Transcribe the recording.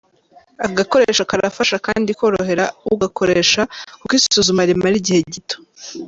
Aka gakoresho karafasha kandi korohera ugakoresha kuko isuzuma rimara igihe gito.